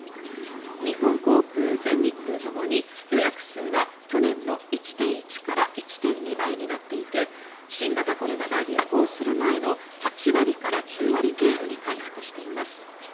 日本航空、全日空ともに予約数は去年の１．１から１．２倍になっていて新型コロナが流行する前の８割から９割程度に回復しています。